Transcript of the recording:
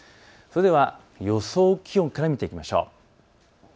それでは予想気温から見ていきましょう。